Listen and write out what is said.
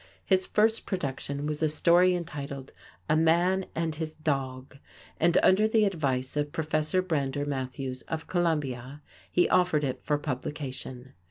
His first production was a story entitled "A Man and His Dog," and under the advice of Professor Brander Matthews, of Columbia, he offered it for publication.